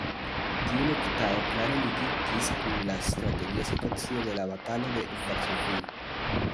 Tiu luktado klare ligiĝis kun la strategia situacio de la Batalo de Varsovio.